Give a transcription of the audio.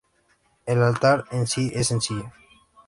El altar en sí es sencillo.